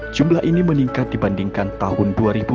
jumlah ini meningkat dibandingkan tahun dua ribu dua puluh